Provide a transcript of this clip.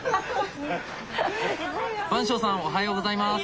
番匠さんおはようございます。